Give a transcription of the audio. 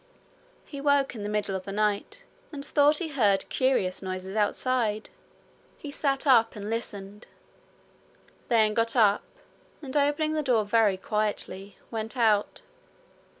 He woke in the middle of the night, and thought he heard curious noises outside. He sat up and listened; then got up, and, opening the door very quietly, went out.